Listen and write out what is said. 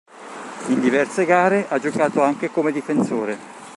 In diverse gare ha giocato anche come difensore.